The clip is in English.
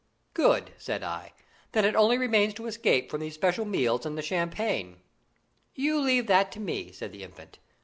"Good!" I said. "Then it only remains to escape from these special meals and the champagne." "You leave that to me," said the Infant.